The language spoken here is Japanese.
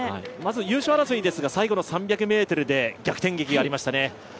優勝争いですが、最後の３００ｍで逆転劇がありましたね。